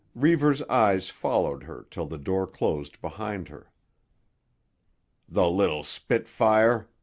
Reivers' eyes followed her till the door closed behind her. "The little spitfire!"